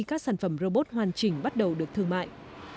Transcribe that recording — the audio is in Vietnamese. các sản phẩm robot hoàn chỉnh bắt đầu được thương mại